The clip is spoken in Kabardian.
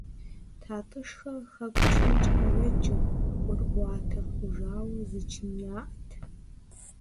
ТатӀышхэ «хэку чынкӏэ» еджэу, ӀуэрыӀуатэ хъужауэ зы чын яӀэт.